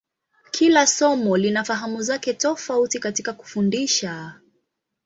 Kila somo lina fahamu zake tofauti katika kufundisha.